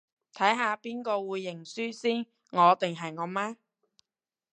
睇下邊個會認輸先，我定係我媽